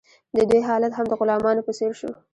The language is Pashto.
د دوی حالت هم د غلامانو په څیر شو.